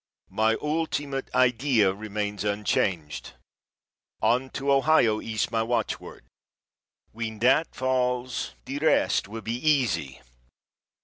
My ultimate idea remains unchanged. On to Ohio is my watchword. When that falls, the rest will be easy.